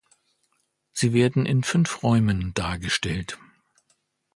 Sie werden in fünf Räumen dargestellt.